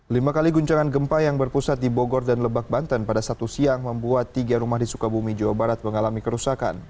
lima kali guncangan gempa yang berpusat di bogor dan lebak banten pada sabtu siang membuat tiga rumah di sukabumi jawa barat mengalami kerusakan